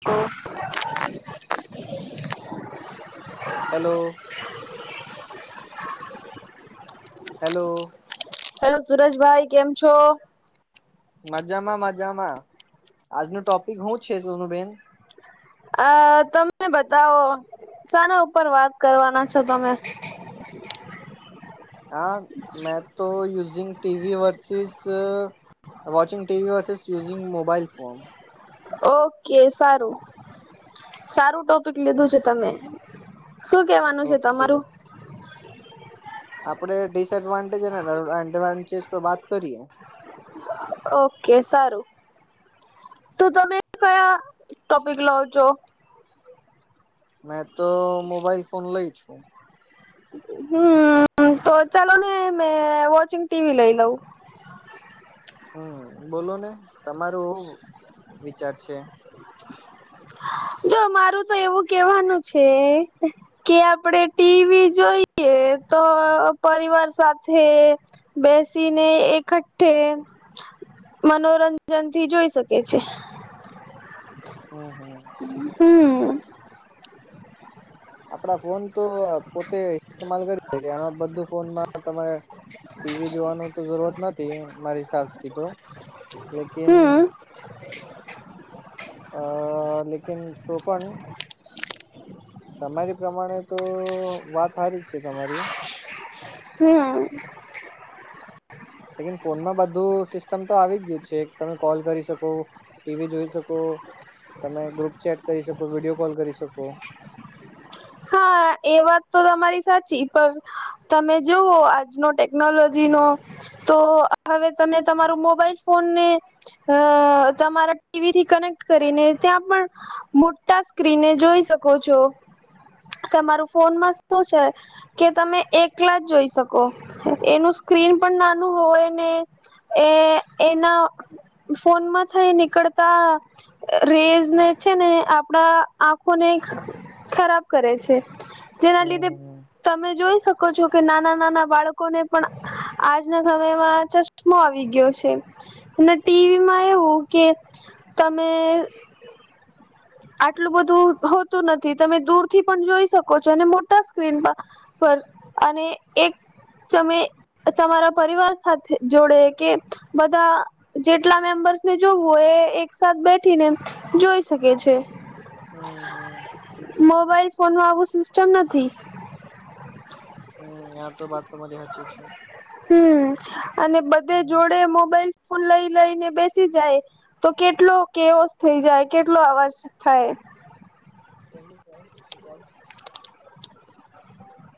છો hello hello hello Suraj ભાઈ કેમ છો મજામાં મજામાં આજનું ટોપિક શું છે સોનું બેેન અ તમને બતાવો શાના ઉપર વાત કરવાના છો તમે હા મેં તો using TV versus watching TV versus using mobile phone okay સારું સારું ટોપિક લીધું છે તમે શું કેવાનું છે ઓકે તમારું આપડે ડિસએડવાન્ટેજ અને એડવાન્ટેજ પર વાત કરીએ ઓકે સારું તો તમે કયા ટોપિક લાવ છો મેં તો મોબાઈલ ફોન લઈ છું હમ તો ચાલો ને મેં વોચિંગ ટીવી લઈ લઉં હમ બોલો ને તમારું એું વિચાર છે જો મારું તો એવું કેવાનું છે કે આપડે ટીવી જોઈએ તો પરિવાર સાથે બેસીને એકઠ્ઠે મનોરંજન થી જોઈ શકે છે હ હમ હમ હમ આપડા ફોન તો પોતે ઇસ્માલ કરી શકે આ બધું ફોનમાં તમારે ટીવી જોવાનું તો જરૂરત નથી મારી સા થી તો લેકિન [inaudible] અ લેકિન તો પન તમારી પ્રમાણે તો વાત સારી જ છે તમારી હમ. લેકિન ફોનમાં બધું સિસ્ટમ તો આવી ગયુ છે તમે કોલ કરી શકો ટીવી જોઈ શકો તમે ગ્રુપ ચેટ કરી શકો વિડીયો કોલ કરી શકો હા એ વાત તો તમારી સાચી પણ તમે જોઓ આજનો ટેકનોલોજી નો તો હવે તમે તમારું મોબાઈલ ફોન ને અ તમારા ટીવી થી કનેક્ટ કરીને ત્યાં પણ મોટા સ્ક્રીન જોઈ શકો છો. કે મારું ફોન માં શું છે. કે તમે એકલા જ જોઈ શકો એનું સ્ક્રીન પણ નાનું હોય ને એ એના ફોનમાં થઈ નીકળતા રેઝ ને છે ને આપડા આંખોને ખરાબ કરે છે જેના લીધે હમ હમ તમે જોઈ શકો છો કે નાના નાના બાળકોને પણ આજના સમયમાં ચશમો આવી ગયો છે. ને ટીવી માં એવું કે તમે આટલું બધું હોતું નથી તમે દૂરથી પણ જોઈ શકો છો અને મોટા સ્ક્રીન પર પર અને એક તમે તમારા પરિવાર સાથે જોડે કે બધા જેટલા મેમ્બર્સ ને જોવું હોય એ એકસાથ બેઠીને જોઈ શકે છે. હમ હમ મોબાઈલ ફોન ન આવું સિસ્ટમ નથી. હમ આ તો વાત તો તમારી હાચી છે. હમ અને બધે હમ જોડે મોબાઈલ ફોન લઈ લઈને બેસી જાય તો કેટલો કેવોસ થઈ જાય કેટલો અવાજ થાય કેની છે ભપલ.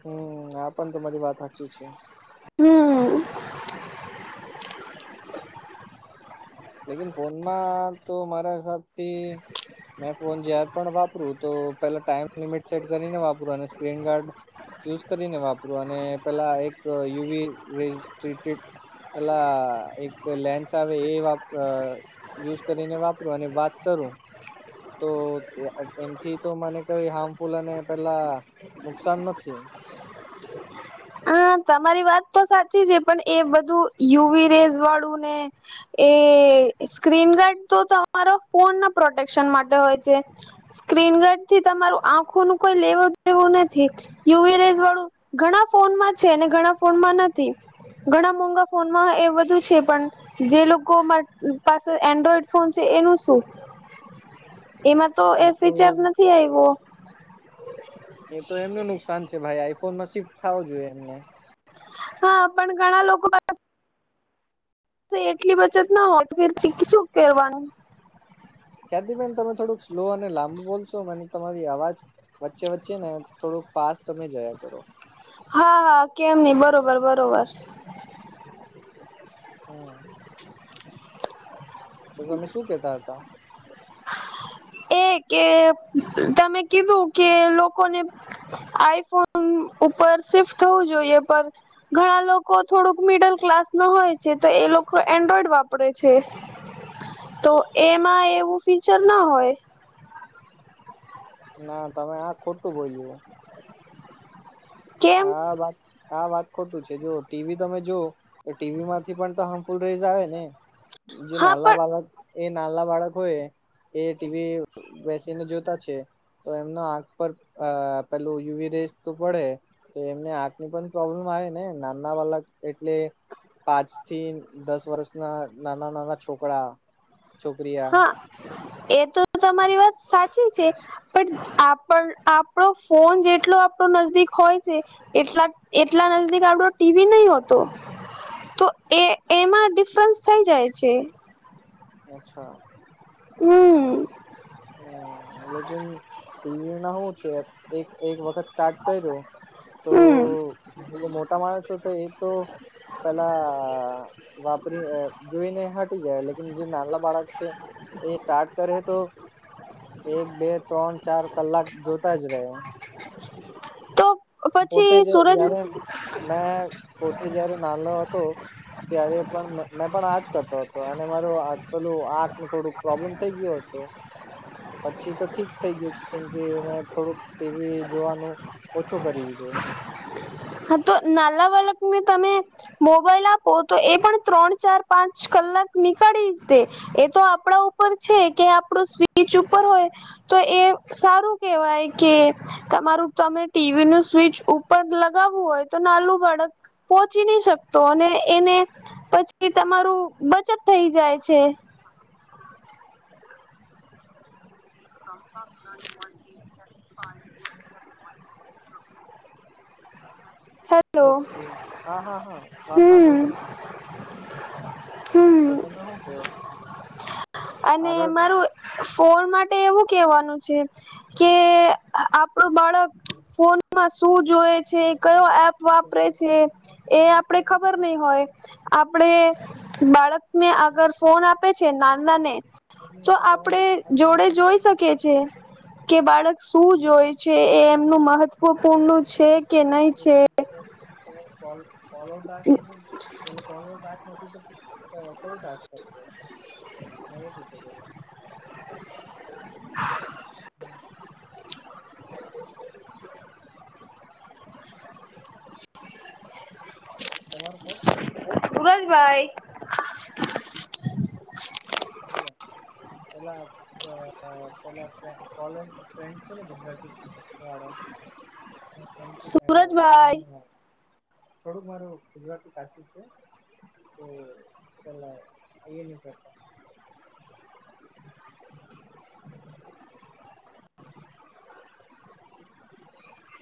હમ આ પણ તો તમારી વાત સાચી છે. હમ. લેકિન ફોનમાં તો મારા સાથ તી મેં ફોન જારે પણ વાપરું તો પેલા ટાઈમ લિમિટ સે કરીને વાપરુ અને સ્ક્રીન ગાર્ડ યુઝ કરીને વાપર અને પેલા એક યુવી ર પેલા એક લેન્સ આવે એ વા અ યુઝ કરીને વાપરો અને વાત કરો તો એમથી તો મને કઈ હાર્મફુલ અને પેલા નુકસાન નથી. હ તમારી વાત તો સાચી છે પણ એ બધું યુવી રેઝ વાળું ને એ સ્ક્રીનગાર્ડ તો તમારા ફોન ના પ્રોટેક્શન માટે હોય છે. સ્ક્રીન ગાર્ડ થી તમારું આંખો નું કોઈ લેવો દેવું નથી. યુવી રેઝ વાળું ઘણા ફોનમાં છે ને ઘણા ફોનમાં નથી. ઘણા મોંઘા ફોનમાં એ બધું છે પણ જે લોકો પાસે એન્ડ્રોઈડ ફોન છે એનું શું એમાં તો એ ફીચર નથી આવ્યું એ તો એમનું નુકસાન છે ભાઈ આઈફોનમાં શિફ્ટ થાવ જોઈએ એમને હા પણ ઘણા લોકો તો એટલી બચત ના હોય તો ફે શું કરવાનું ક્યાદી બેેન તમે થોડુંક સ્લો અને લાંબો બોલશો મને તમારી અવાજ વચ્ચે વચ્ચે ને થોડુંક ફાસ્ટ તમે જયા કરો. હા હા કેમ નહી બરોબર બરોબર હમ તો તમે શું કેતા હતા. એ કે તમે કીધું કે લોકોને આઈફોન ઉપર શિફ્ટ થવું જોઈએ પણ ઘણા લોકો થોડુંક મિડલ ક્લાસ ના હોય છે તો એ લોકો એન્ડ્રોઈડ વાપરે છે. - તો એમાં એવું ફીચર ના હોય. - ના તમે આ ખોટું બોલું. - કેમ આ વાત આ વાત ખોટું છે જો ટીવી તમે જો તો ટીવી માંથી પણ તો હાર્મફુલ રેઝ આવે ને જે હા નાલા પણ બાલાક એ નાના બાળક હોય એ ટીવી બેસીને જોતા છે. - તો એમનો આંખ પર પેલું યુવી રેસ તો પડે. - તો એમને આાખ ની પણ પ્રોબ્લેમ આવે ને નાના વાલા એટલે પાંચ થી દસ વર્ષ ના નાના નાના છોકરા છોકરીયા હા એ તો તમારી વાત સાચી છે. - પણ આપ આપણો ફોન જેટલો આપણો નજદીક હોય છે એટલા એટલા નજીક આપડો ટીવી નહી હોતો. - તો એ એમાં ડિફરન્સ થાય જાય છે. - અચ્છા. - હમ હ લેકીન ટીવી ના શું છે એક એક વખત સ્ટાર્ટ કર્યુ તો હમ જે મોટા માણસો તો એ તો પેલા વાપરી જોઈને હટી જાય લેકન જે નાલા બાળક છે એ સ્ટાર્ટ કરે તો એક બે ત્રણ ચાર કલાક જોતા જ રહે. - તો. - પોતે જ્યારે મેં પોતે જયારે નાનો હતો. - ત્યારે પણ મેં પણ આજ કરતો હતો અને માર પેલું આંખ ન થોડુંક પ્રોબ્લેમ થઈ ગયો હતો. - પછી તો ઠીક થઈ ગયું કેમ કે મેં થોડુંક ટીવી જોવાનું ચો કરી દીધો. - હા તો નાલા વાલા ક તમે મોબાઈલ આપો તો એ પણ ત્રણ ચાર પાંચ કલાક નીકળી જ દે એ તો આપણા ઉપર છે કે આપણો સ્વીચ ઉપર હોય તો એ સારું કેહેવાય કે તમારું તમે ટીવી નું સ્વિચ ઉપર લગ લાવું હોય તો નાલું બાળક પોહોંચી નહી શકતો અને એને પછી તમારું બચત થઈ જાય છે હ સીમ આફ ના ઓન એ સ પા એ [unintelligible] હેલો ઓકે હા હા હા વાત સાંભળું હમ તમારે હમ તો તમે શું કેવ અને મારું ફોન માટે એવું કેવાનું છે કે આપડું બાળક ફોનમાં શું જોય છે કયો એપ વાપરે છે એ આપડે ખબર નહ હોય આપડે બાળકને આગર ફોન આપે છે ના તો આપડ જોડે જોઈ શકીએ છેી કે બાળક શું જોય છે એ એમનું મહત્વપૂર્ણ છે કે નહી છે કો કો પે કોાસ નથી [unintelligible] કત ભસ કરતી નહી કછ કરું [unintelligible] હમ તમારું ફર્સ્ટ સેમ છે આ સૂરજભાઈ એ વાાગ [inaudible] પેલા અ પેલા ફેન્ડ કોલેજ ફ્રેન્ડ છે ને ગુજરાતી વાડો તો સુરજભાઈ થોડુંક મારું ગુજરાતી કાચું છે. તો ચલા એન કરતાં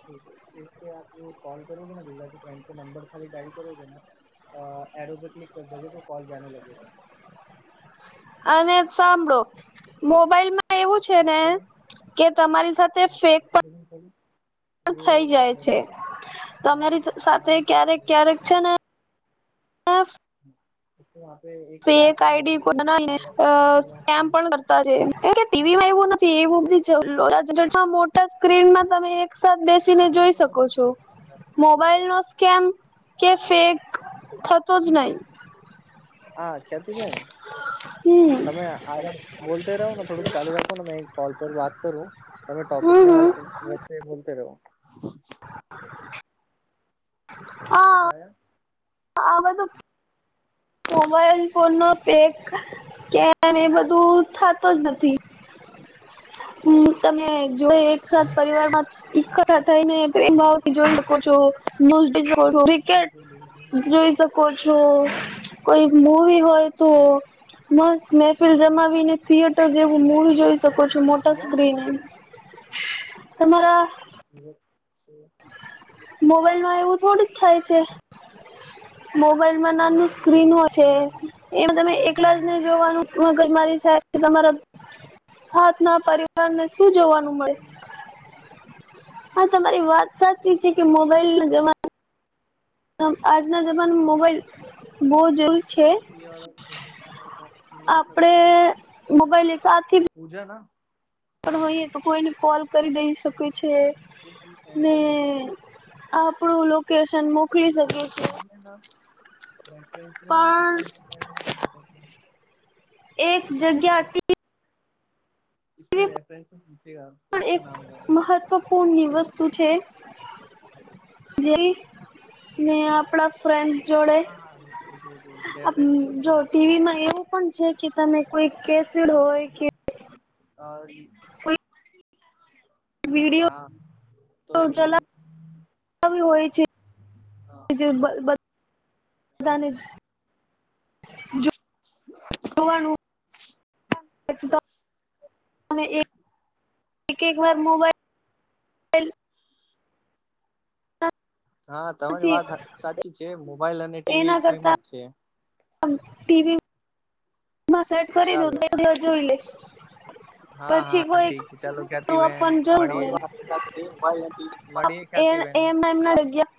ઠીક હે ઉસકે આપ કોલ કરોગે ના ગુજરાતી ફ્રેન્ડ કે નંબર ખાલી ડાયલ કરોગે ના અ એરો કે ક્લિક કર દોગે તો કોલ જાને લગેગા અને સાંભળો મોબાઈલ મા. એવું છે ને કે તમારી સાથે ફેક પણ [inaudible] પણ થઈ જાય છે તમારી સાથે ક્યારેક ક્યારેક છે ને હફ. હમ તો આપણે એકે ફેક આઈડી કો બના લે અ સ્કેમ પણ કરતા રે. ટીવીમાં એવું નથી એવું બધી મોટા સ્ક્રીનમાં તમે એક સાથ બેસીને જોઈ શકો છો મોબાઈલ નો સ્કેમ કે ફેક થતો જ નહી. હા ખ્યાતિ બેેન. હમ. તમે આગળ બોલતે રહો ને થોડુંક ચાલુ રાખો ને મે કોલ પર વાત કરું. તમે ટોપિક હમ ને વાત હમ બોલતે બોલતે રહો. હ કુછ આયા. આવા તો. મોબાઈલ ફોનનો પેગ સ્કેન એ બધું થતો જ નથી. હમ તમે જો એકસાથ પરિવારમાં એકઠા થઈને પ્રેમ ભાવ જોઈ શકો છો [inaudible] શકો છો ક્રિકેટ જોઈ શકો છો કોઈ મૂવી હોય તો. મસ્ત મહેફિલ જમાવીને થિયેટર જેવું મૂવી જોઈ શકો છો મોટા સ્ક્રીને તમારા. હ [inaudible] મોબાઈલમાં એવું થોડી જ થાય છે. મોબાઈલમાં નાનું સ્ક્રીનો છે એમ તમે એકલા જ ને જોવાનું મગજ મારી થાય તમારા સાથ ના અપારે. શું જોવાનું મળે હ તમારી વાત. સાચી છે કે મોબાઈલ નો જમા. આજના જમાનેમાં મોબાઈલ બહુ હ જરૂરી છે આપડે મોબાઈલ એક સાથી [inaudible] પૂજા ના. પણ હોઈએ તો કોઈને કોલ કરી દઈ શકે છે ને. આપણું લોકેશન મોકલી શકે છે. રફરેસ યા કસ પણ નામ લ દને [inaudible] એક જગ્યા તી. ઈસમે રેફરન્સ પૂછેગ તો ઈસકા નામ બોલના આ ફોન ની વસ્તુ છે જે. ને આપણા ફ્રેન્ડ જોડે જો ટીવીમાં એવું પણ છે કે તમે કોઈ કેસિડ હોય કે. અ. કોઈ હા તો ચલા હોય છે જે બધને જોવાનુ હ એક વા મોબાઈલ હા તમારી વાત સાચી છે મોબાઈલ અને એ ટીવી ના સેમ કરતા જ છે ટીવી માં સેટ કરી દો દ ચાલો દ જોઈ લે હા હા પછી કોઈ ઠીક છે ચાલો તું આપ ખ્યાતિબેન જ મળીએ મળીએ એ ખ્યાતિબેન એમ એમ જગ્યા